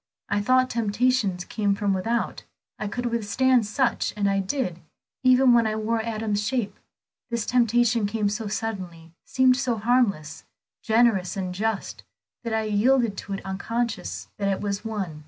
I thought temptations came from without; I could withstand such, and I did, even when it wore Adam's shape. This temptation came so suddenly, seemed so harmless, generous and just, that I yielded to it unconscious that it was one.